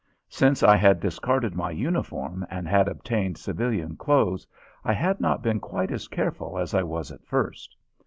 Since I had discarded my uniform and had obtained civilian clothes I had not been quite as careful as I was at first.